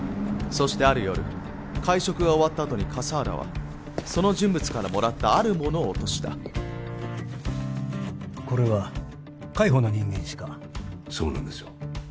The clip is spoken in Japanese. そしてある夜会食が終わったあとに笠原はその人物からもらったあるものを落としたこれは海保の人間しかそうなんですよ